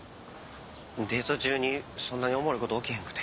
デート中にそんなにおもろいこと起きへんくて。